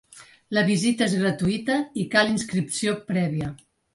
La visita és gratuïta i cal inscripció prèvia.